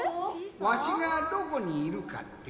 わしがどこにいるかって？